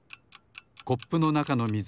コップのなかのみず